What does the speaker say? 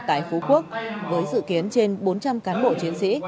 tại phú quốc với dự kiến trên bốn trăm linh cán bộ chiến sĩ